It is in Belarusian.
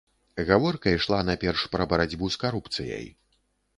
Гаворка ішла найперш пра барацьбу з карупцыяй.